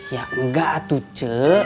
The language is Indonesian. ya enggak tuh ce